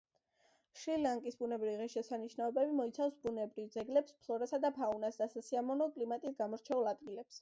შრი-ლანკის ბუნებრივი ღირსშესანიშნაობები მოიცავს ბუნებრივ ძეგლებს, ფლორასა და ფაუნას და სასიამოვნო კლიმატით გამორჩეულ ადგილებს.